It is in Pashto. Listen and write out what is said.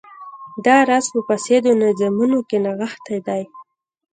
دا راز په فاسدو نظامونو کې نغښتی دی.